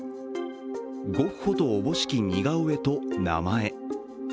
ゴッホとおぼしき似顔絵と名前。